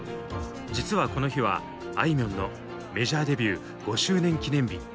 実はこの日はあいみょんのメジャーデビュー５周年記念日。